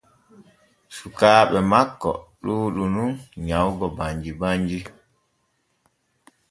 Sukaaɓe makko ɗuuɗu nun nyawugo banji banji.